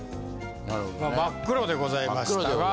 真っ黒でございましたが。